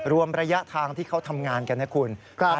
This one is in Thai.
รวมระยะทางที่เขาทำงานกันนะคุณ